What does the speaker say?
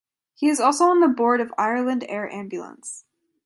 He is also on the board of Ireland Air Ambulance.